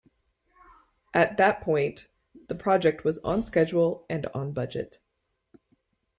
At that point, the project was on schedule and on budget.